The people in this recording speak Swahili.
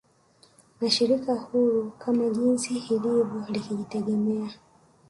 Ni Shirika huru kama jinsi ilivyo likijitegemea